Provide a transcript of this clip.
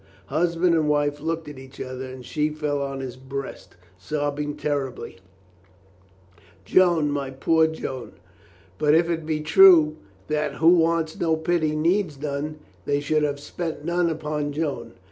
Husband and wife looked at each other and she fell on his breast, sobbing terribly, "Joan — my poor Joan." But if it be true that who wants no pity needs none, they should have spent none upon Joan.